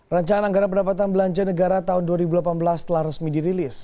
rancangan anggaran pendapatan belanja negara tahun dua ribu delapan belas telah resmi dirilis